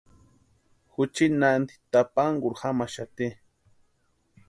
Juchi nanti tapankurhu jamaxati.